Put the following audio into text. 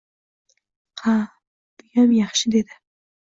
«Ha-a, buyam yaxshi, — dedi